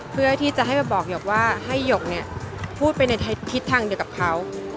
เพื่อที่จะให้มาบอกหยกว่าให้หยกเนี่ยพูดไปในทิศทางเดียวกับเขา